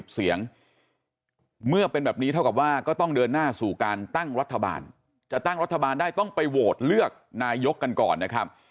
เสียงเมื่อเป็นแบบนี้เท่ากับว่าก็ต้องเดินหน้าสู่การตั้งรัฐบาลจะตั้งรัฐบาลได้ต้องไปโหวตเลือกนายกกันก่อนนะครับ